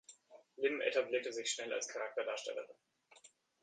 Lim etablierte sich schnell als Charakterdarstellerin.